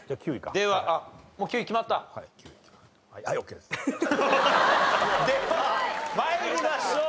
では参りましょう。